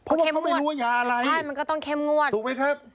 เพราะว่าเขาไม่รู้ว่ายาอะไรถูกไหมครับมันก็เข้มงวด